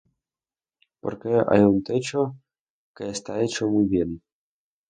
Porque hay un techo que está hecho muy bien.